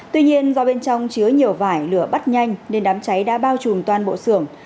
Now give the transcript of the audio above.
tuy nhiên do bên trong chứa nhiều vải lửa bắt nhanh nên đám cháy đã bao trùm toàn bộ xưởng